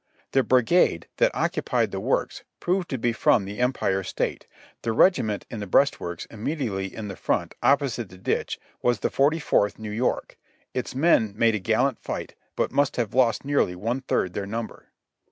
The brigade that occupied the works proved to be from the Empire State ; the regiment in the breastworks immediately in the front opposite the ditch was the Forty fourth New York. Its men made a gallant fight, but must have lost nearly one third their number.